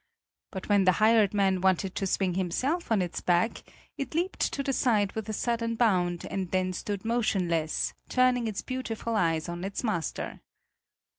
But when the hired man wanted to swing himself on its back, it leaped to the side with a sudden bound and then stood motionless, turning its beautiful eyes on its master.